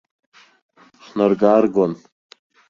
Ҳнарга-ааргон.